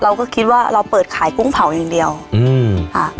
เราก็คิดว่าเราเปิดขายกุ้งเผาอย่างเดียวอืมค่ะ